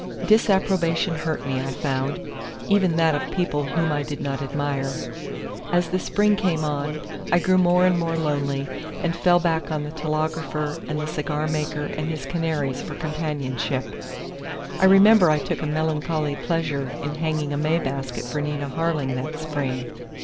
Disapprobation hurt me, I found,—even that of people whom I did not admire. As the spring came on, I grew more and more lonely, and fell back on the telegrapher and the cigar maker and his canaries for companionship. I remember I took a melancholy pleasure in hanging a May basket for Nina Harling that spring.